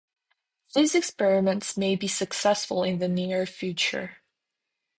These experiments may be successful in the near future.